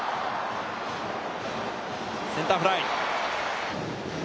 センターフライ。